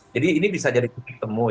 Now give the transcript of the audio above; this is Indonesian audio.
jadi ini bisa jadi temu